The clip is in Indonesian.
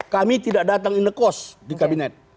kami tidak datang in the cost di kabinet